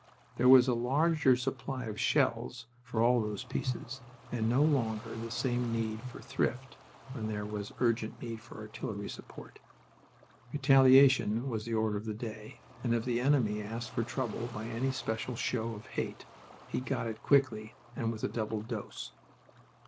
There was a larger supply of shells for all those pieces, and no longer the same need for thrift when there was urgent need for artillery support. Retaliation was the order of the day, and if the enemy asked for trouble by any special show of "hate" he got it quickly and with a double dose.